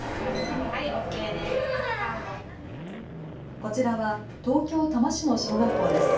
こちらは東京多摩市の小学校です。